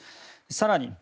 更に、